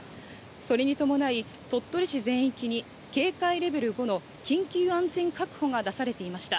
それに伴い、鳥取市全域に警戒レベル５の緊急安全確保が出されていました。